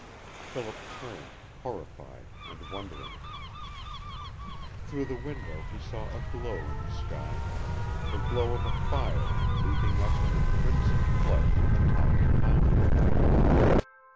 Philip turned, horrified and wondering. Through the window he saw a glow in the sky the glow of a fire, leaping up in a crimson flood from the top of the mountain!